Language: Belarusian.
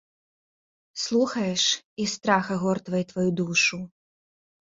Слухаеш, і страх агортвае тваю душу.